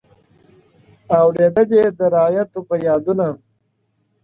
اورېدل يې د رعيتو فريادونه-